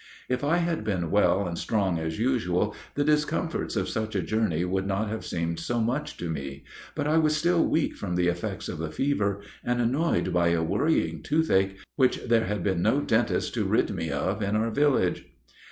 If I had been well and strong as usual, the discomforts of such a journey would not have seemed so much to me; but I was still weak from the effects of the fever, and annoyed by a worrying toothache which there had been no dentist to rid me of in our village.